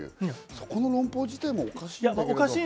そこの論法自体もおかしい。